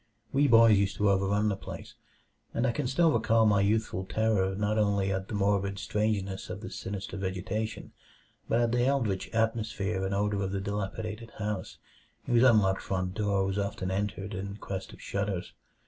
We boys used to overrun the place, and I can still recall my youthful terror not only at the morbid strangeness of this sinister vegetation, but at the eldritch atmosphere and odor of the dilapidated house, whose unlocked front door was often entered in quest of shudders.